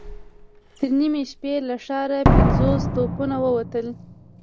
تر نيمې شپې له ښاره پنځوس توپونه ووتل.